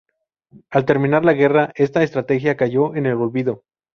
Al terminar la guerra, esta estrategia cayó en el olvido.